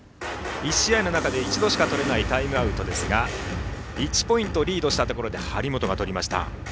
１試合の中で１度しかとれないタイムアウトですが１ポイントリードしたところで張本がとりました。